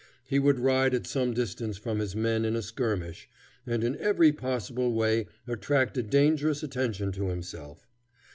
He would ride at some distance from his men in a skirmish, and in every possible way attract a dangerous attention to himself.